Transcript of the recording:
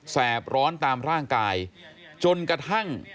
แบร้อนตามร่างกายจนกระทั่ง